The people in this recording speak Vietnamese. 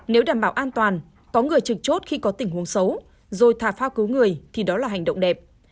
nếu đảm bảo an toàn có người trực chốt khi có tình huống xấu rồi thả phao cứu người thì đó là hành động đẹp